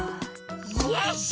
よし！